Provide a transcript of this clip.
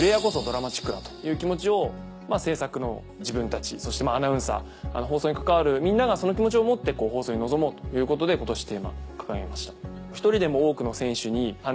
という気持ちを制作の自分たちそしてアナウンサー放送に関わるみんながその気持ちを持って放送に臨もうということで今年テーマに掲げました。